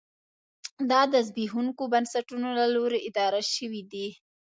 دا د زبېښونکو بنسټونو له لوري اداره شوې دي.